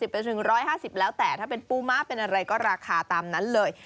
ไปถึง๑๕๐แล้วแต่ถ้าเป็นปูม้าเป็นอะไรก็ราคาตามนั้นเลย